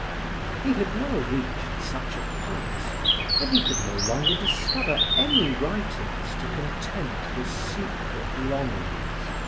He had now reached such a pass that he could no longer discover any writings to content his secret longings.